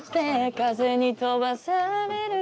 「風に飛ばされる欠片に」